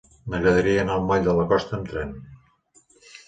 M'agradaria anar al moll de la Costa amb tren.